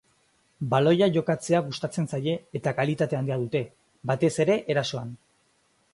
Baloia jokatzea gustatzen zaie eta kalitate handia dute, batez ere erasoan.